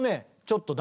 ちょっと